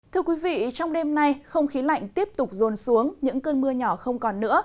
thưa quý vị trong đêm nay không khí lạnh tiếp tục rồn xuống những cơn mưa nhỏ không còn nữa